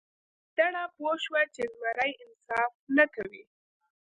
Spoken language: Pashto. ګیدړه پوه شوه چې زمری انصاف نه کوي.